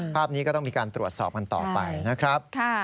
ภาพนี้ก็ต้องมีการตรวจสอบกันต่อไปนะครับ